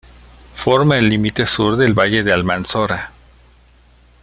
Forma el límite sur del Valle del Almanzora.